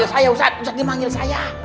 eh dia manggil saya ustadz